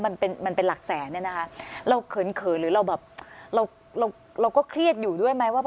มันเป็นหลักแสนเนี่ยนะฮะเราเขินหรือเราก็เครียดอยู่ด้วยไหม